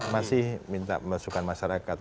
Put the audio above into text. masih minta masukan masyarakat